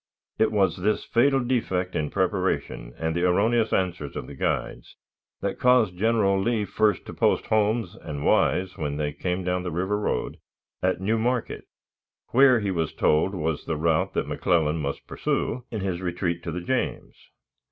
It was this fatal defect in preparation, and the erroneous answers of the guides, that caused General Lee first to post Holmes and Wise, when they came down the River road, at New Market, where, he was told, was the route that McClellan must pursue in his retreat to the James.